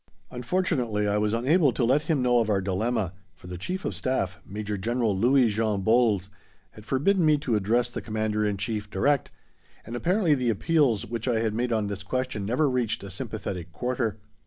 Unfortunately I was unable to let him know of our dilemma, for the Chief of Staff, Major General Louis Jean Bols, had forbidden me to address the Commander in Chief direct, and apparently the appeals which I had made on this question never reached a sympathetic quarter.